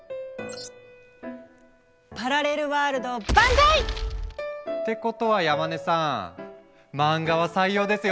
パラレルワールド万歳！ってことは山根さん漫画は採用ですよね？